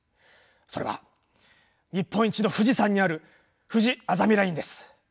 それは日本一の富士山にあるふじあざみラインです。